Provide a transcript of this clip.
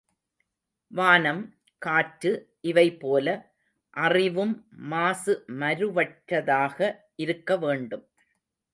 வானம், காற்று இவைபோல, அறிவும் மாசு மருவற்றதாக இருக்க வேண்டும்.